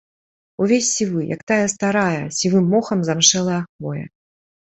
Увесь сівы, як тая старая, сівым мохам замшэлая хвоя.